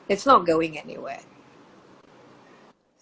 itu tidak akan berjalan ke mana mana